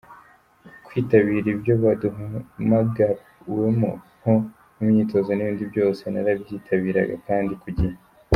Kwitabir ibyo baduhamagawemo nko mu myitozo n’ibindi byose narabyitabiraga kandi ku gihe”.